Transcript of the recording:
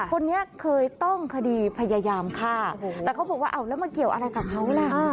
คนนี้เคยต้องคดีพยายามฆ่าแต่เขาบอกว่าเอาแล้วมาเกี่ยวอะไรกับเขาล่ะ